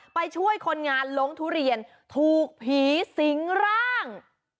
ไปช่วยคนงานล้งทุเรียนถูกผีสิงร่าง